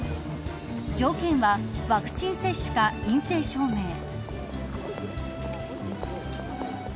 条件はワクチン接種か陰性証明。